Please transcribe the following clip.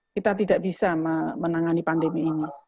kita tidak bisa menangani pandemi ini